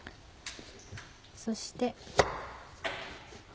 そして。